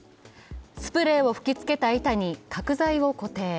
スプレーを吹きつけた板に角材を固定。